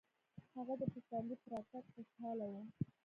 هغه د پسرلي په راتګ خوشحاله و.